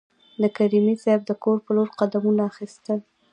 د کریمي صیب د کور په لور قدمونه اخیستل.